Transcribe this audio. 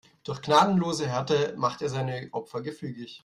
Durch gnadenlose Härte macht er seine Opfer gefügig.